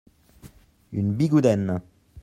Une bigouden.